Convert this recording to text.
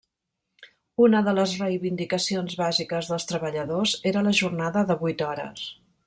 Una de les reivindicacions bàsiques dels treballadors era la jornada de vuit hores.